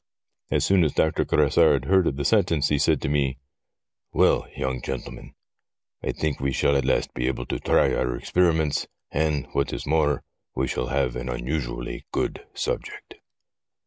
As soon as Doctor Grassard heard of the sentence, he said to me :' Well, young gentleman, I think we shall at last be able to try our experiments, and, what is more, we shall have an unusually good subject.'